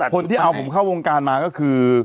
คนที่เอาผมเข้าวงการมาก็คือ